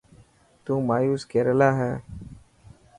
تو مايوس ڪيريريلا هي.